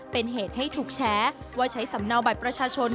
เป็นเหตุให้ถูกแชร์ว่าใช้สำเนาบัตรประชาชน